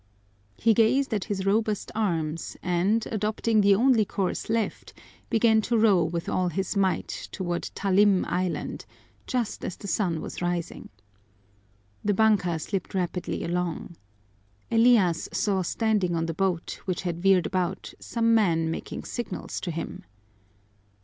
He gazed at his robust arms and, adopting the only course left, began to row with all his might toward Talim Island, just as the sun was rising. The banka slipped rapidly along. Elias saw standing on the boat, which had veered about, some men making signals to him.